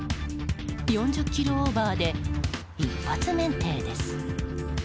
４０キロオーバーで一発免停です。